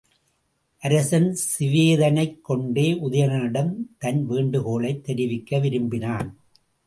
அரசன் சிவேதனைக் கொண்டே உதயணனிடம் தன் வேண்டுகோளைத் தெரிவிக்க விரும்பினான்.